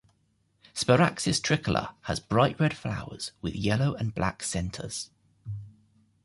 "Sparaxis tricolor" has bright red flowers with yellow and black centres.